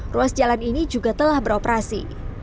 ruas jalan ini juga telah beroperasi